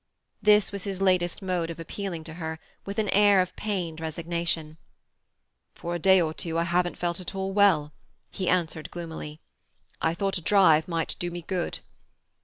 This was his latest mode of appealing to her—with an air of pained resignation. "For a day or two I haven't felt at all well," he continued gloomily. "I thought a drive might do me good."